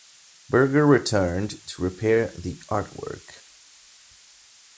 Berger returned to repair the artwork.